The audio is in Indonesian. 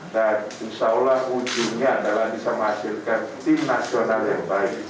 dan insya allah ujungnya adalah bisa menghasilkan tim nasional yang baik